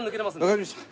わかりました。